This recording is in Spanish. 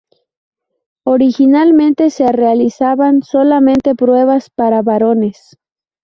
Originalmente se realizaban solamente pruebas para varones.